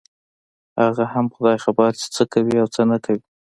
هغه هم خداى خبر چې څه کوي او څه نه کوي.